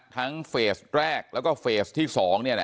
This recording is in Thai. ทั้งเฟซแรกแล้วก็เฟซที่๒